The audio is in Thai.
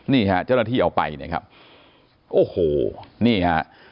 นี่ฮะเจ้าหน้าที่เอาไปนะครับโอ้โหนี่ฮะ